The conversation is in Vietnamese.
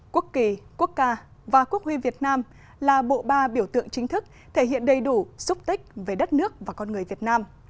quốc kỳ quốc ca và quốc huy việt nam là bộ ba biểu tượng chính thức thể hiện đầy đủ xúc tích về đất nước và con người việt nam